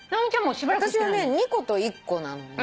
私はね２個と１個なのね。